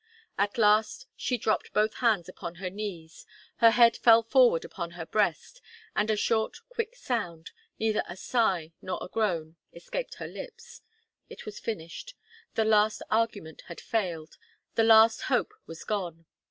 At last she dropped both hands upon her knees; her head fell forward upon her breast, and a short, quick sound, neither a sigh nor a groan, escaped her lips. It was finished. The last argument had failed; the last hope was gone.